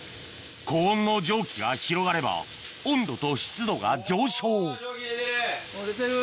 高温の蒸気が広がれば温度と湿度が上昇出てる？